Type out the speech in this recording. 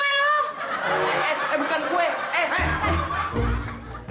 eh eh eh bukan gue eh eh